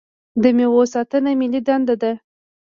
د میوو ساتنه ملي دنده ده.